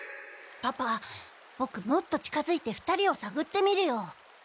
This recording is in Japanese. パパボクもっと近づいて２人をさぐってみるよ。